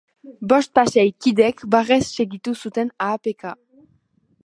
Bospasei kidek barrez segitu zuten ahapeka.